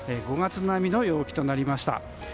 ５月並みの陽気となりました。